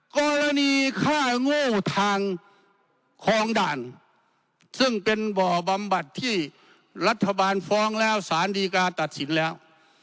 กรณีฆ่าโง่ทางคลองด่านซึ่งเป็นบ่อบำบัดที่รัฐบาลฟ้องแล้วสารดีกาตัดสินแล้ว